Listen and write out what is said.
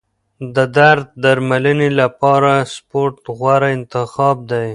د درد درملنې لپاره سپورت غوره انتخاب دی.